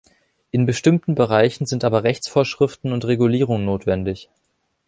In bestimmten Bereichen sind aber Rechtsvorschriften und Regulierung notwendig.